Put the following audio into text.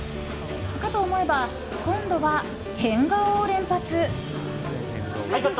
かと思えば、今度は変顔を連発。